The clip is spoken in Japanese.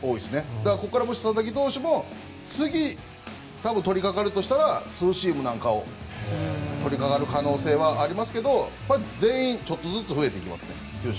だからもし佐々木投手も次、取り掛かるとしたらツーシームなんかに取り掛かる可能性はありますけど全員ちょっとずつ増えていきますね。